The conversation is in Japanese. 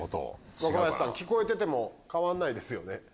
若林さん「聞こえてても変わんないですよね」。